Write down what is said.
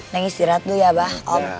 neng istirahat dulu ya mbah om